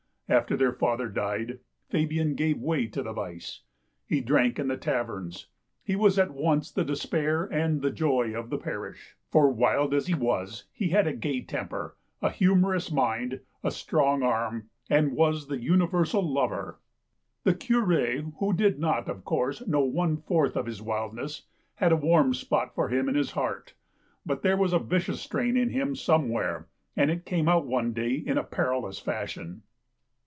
After their father died Fabian gave way to the vice. He drank in the taverns, he was at once the despair and the joy of the parish ; for, wild as he was, he had a gay temper, a humorous mind, a strong arm, and was the universal lover. The Cure, who did not, of course, know one fourth of his wildness, had a warm spot for him in his heart. But there was a vicious strain in him somewhere, and it came out one day in a perilous fashion.